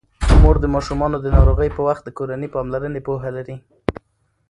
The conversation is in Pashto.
مور د ماشومانو د ناروغۍ په وخت د کورني پاملرنې پوهه لري.